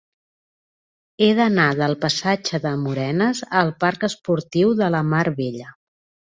He d'anar del passatge de Morenes al parc Esportiu de la Mar Bella.